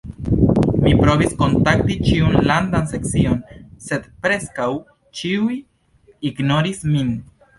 Mi provis kontakti ĉiun landan sekcion sed preskaŭ ĉiuj ignoris min.